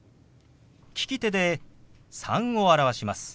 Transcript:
利き手で「３」を表します。